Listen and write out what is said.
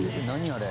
あれ。